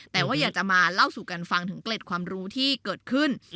แต่ว่าอยากจะมาเล่าสู่กันฟังถึงเกล็ดความรู้ที่เกิดขึ้น